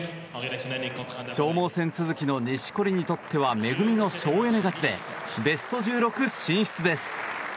消耗戦続きの錦織にとっては恵みの省エネ勝ちでベスト１６進出です。